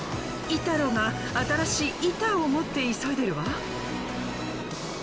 イタロが新しいイタを持って急いでるわ。